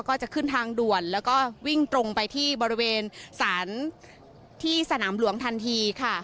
ก็จะขึ้นทางด่วนแล้วก็วิ่งตรงไปที่บริเวณสารที่สนามหลวงทันทีค่ะ